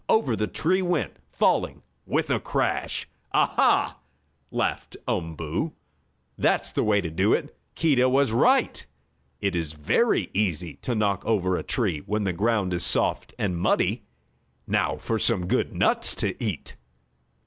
Over the tree went, falling with a crash! "Ah ha!" laughed Umboo. "That's the way to do it! Keedah was right! It is very easy to knock over a tree when the ground is soft and muddy. Now for some good nuts to eat."